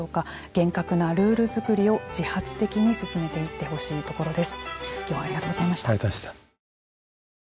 厳格なルール作りを自発的に進めていってほしいところです。